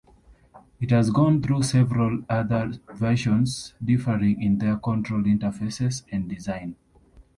It has gone through several other versions, differing in their control interfaces and design.